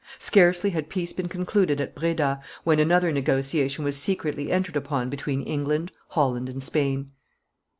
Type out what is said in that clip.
Scarcely had peace been concluded at Breda, when another negotiation was secretly entered upon between England, Holland, and Sweden.